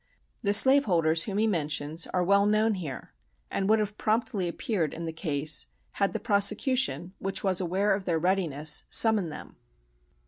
The slave holders whom he mentions are well known here, and would have promptly appeared in the case, had the prosecution, which was aware of their readiness, summoned them.